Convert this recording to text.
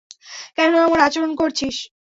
কেন এমন আচরণ করছিস?